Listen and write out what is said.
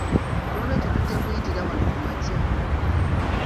Noolwekyo tujja kuyitira wano ku makya.